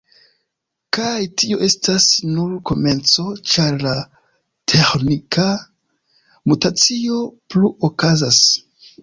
Kaj tio estas nur komenco, ĉar la teĥnika mutacio plu okazas.